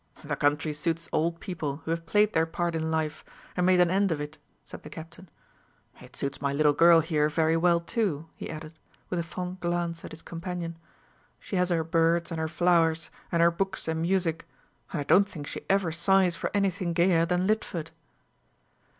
"The country suits old people, who have played their part in life, and made an end of it," said the Captain. "It suits my little girl here very well, too," he added, with a fond glance at his companion; "she has her birds and her flowers, and her books and music; and I don't think she ever sighs for anything gayer than Lidford."